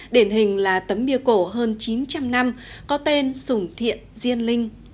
điển hình là tấm bia cổ hơn chín trăm linh năm có tên sùng thiện diên linh